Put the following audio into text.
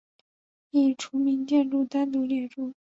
已除名建筑单独列出。